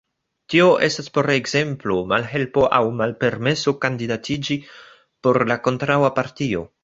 Tio estas por ekzemplo malhelpo aŭ malpermeso kandidatiĝi por la kontraŭa partio.